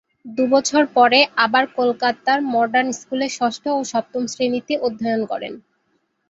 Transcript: দু'বছর পরে আবার কলকাতার মডার্ন স্কুলে ষষ্ঠ ও সপ্তম শ্রেণিতে অধ্যয়ন করেন।